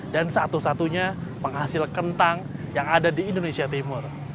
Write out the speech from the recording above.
dan satu satunya penghasil kentang yang ada di indonesia timur